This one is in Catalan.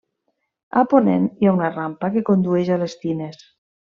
A ponent hi ha una rampa que condueix a les tines.